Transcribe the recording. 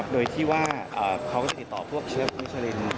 โดยที่ว่าเขาก็จะติดต่อพวกเชฟวิชาลิน